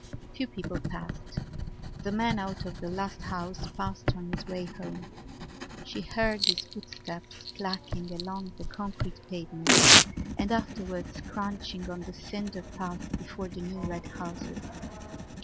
Few people passed. The man out of the last house passed on his way home; she heard his footsteps clacking along the concrete pavement and afterwards crunching on the cinder path before the new red houses.